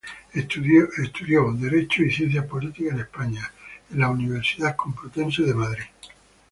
Estudió Derecho y Ciencias Políticas en España, en la Universidad Complutense de Madrid.